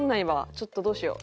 ちょっとどうしよう？